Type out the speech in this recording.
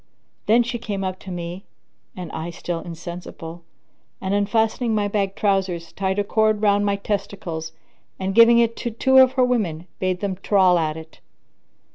[FN#3] Then she came up to me (and I still insensible) and, unfastening my bag trousers, tied a cord round my testicles and, giving it to two of her women, bade them trawl at it.